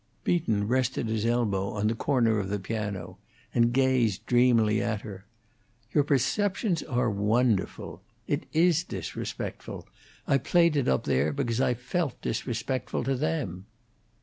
Beaton rested his elbow on the corner of the piano and gazed dreamily at her. "Your perceptions are wonderful. It is disrespectful. I played it, up there, because I felt disrespectful to them."